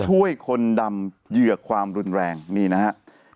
ช่วยคนดำเหยื่อความรุนแรงนี่นะฮะ